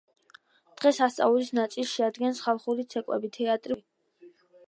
დღესასწაულის ნაწილს შეადგენს ხალხური ცეკვები, თეატრი, მუსიკალური კონცერტები.